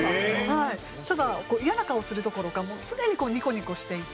ただイヤな顔するどころかもう常にニコニコしていて。